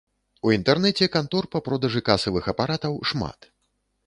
У інтэрнэце кантор па продажы касавых апаратаў шмат.